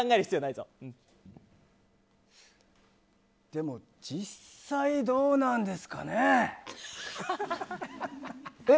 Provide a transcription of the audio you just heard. でも、実際どうなんですかね。え？